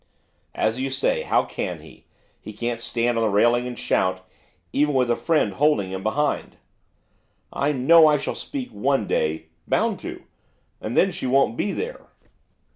'As you say, how can he? he can't stand on the railing and shout, even with a friend holding him behind.' 'I know I shall speak one day, bound to; and then she won't be there.